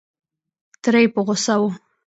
تره یې په غوسه و.